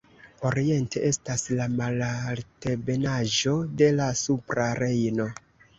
Oriente estas la malaltebenaĵo de la supra Rejno.